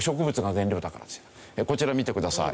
こちら見てください。